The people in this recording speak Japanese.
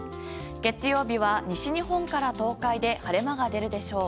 月曜日は西日本から東海で晴れ間が出るでしょう。